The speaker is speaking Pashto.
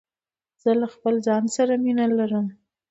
زه له خپل ځان سره مینه لرم.